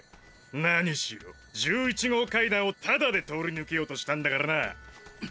何しろ１１号階段をタダで通り抜けようとしたんだからな。